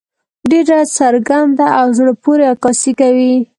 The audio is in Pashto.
ډېره څرګنده او زړۀ پورې عکاسي کوي.